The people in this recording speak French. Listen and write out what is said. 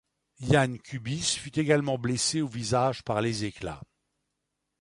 Jan Kubiš fut également blessé au visage par les éclats.